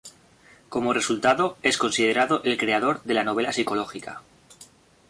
Como resultado, es considerado el creador de la novela psicológica.